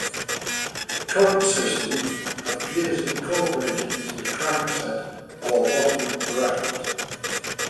Current systems have gears incorporated in the crankset or bottom bracket.